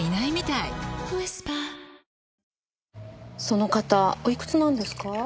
その方おいくつなんですか？